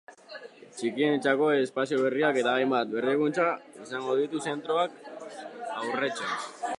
Txikienentzako espazio berriak eta hainbat berrikuntza izango ditu zentroak aurrerantzean.